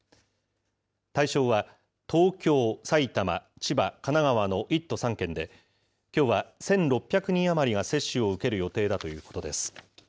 対象は東京、埼玉、千葉、神奈川の１都３県で、きょうは１６００人余りが接種を受ける予定だということです。